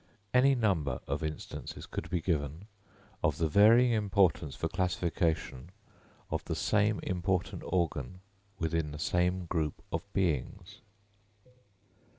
Any number of instances could be given of the varying importance for classification of the same important organ within the same group of beings.